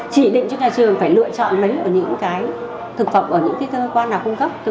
chỉ định cho nhà trường phải lựa chọn mình ở những cái thực phẩm ở những cái cơ quan nào cung cấp